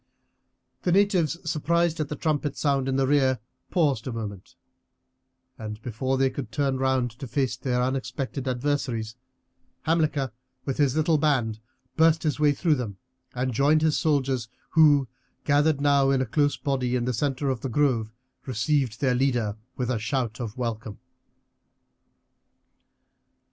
The natives, surprised at the trumpet sound in the rear, paused a moment, and before they could turn round to face their unexpected adversaries, Hamilcar with his little band burst his way through them and joined his soldiers, who, gathered now in a close body in the centre of the grove, received their leader with a shout of welcome.